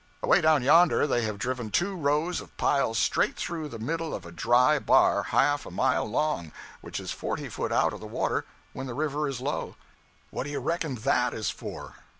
Away down yonder, they have driven two rows of piles straight through the middle of a dry bar half a mile long, which is forty foot out of the water when the river is low. What do you reckon that is for?